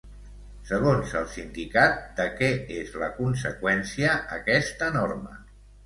Segons el sindicat, de què és la conseqüència aquesta norma?